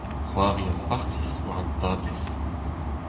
C'hoari ampartiz war un tablez.